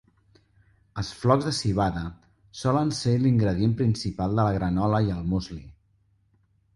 Els flocs de civada solen ser l'ingredient principal de la granola i el musli.